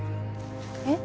えっ？